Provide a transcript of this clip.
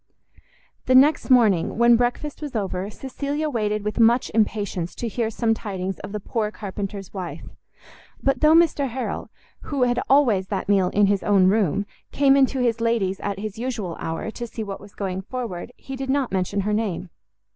The next morning, when breakfast was over, Cecilia waited with much impatience to hear some tidings of the poor carpenter's wife; but though Mr Harrel, who had always that meal in his own room, came into his lady's at his usual hour, to see what was going forward, he did not mention her name.